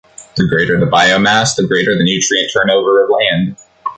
The greater the biomass, the greater the nutrient turnover of land.